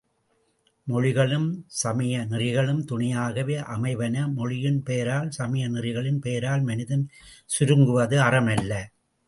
மொழிகளும், சமய நெறிகளும் துணையாகவே அமைவன மொழியின் பெயரால், சமய நெறிகளின் பெயரால், மனிதன் சுருங்குவது அறம் அல்ல.